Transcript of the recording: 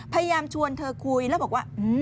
พยายามชวนเธอคุยแล้วบอกว่า